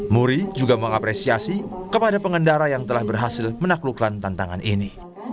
muri juga mengapresiasi kepada pengendara yang telah berhasil menaklukkan tantangan ini